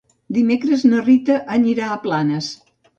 Dimecres na Rita anirà a Planes.